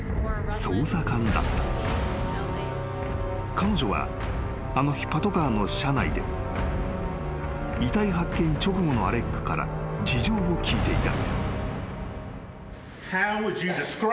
［彼女はあの日パトカーの車内で遺体発見直後のアレックから事情を聴いていた］